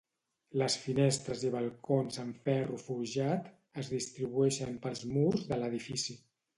Les finestres i balcons amb ferro forjat es distribueixen pels murs de l'edifici.